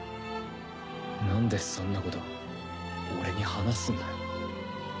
なんでそんなこと俺に話すんだよ。